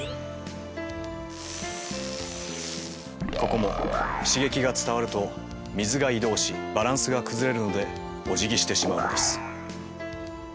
ここも刺激が伝わると水が移動しバランスが崩れるのでおじぎしてしまうのです。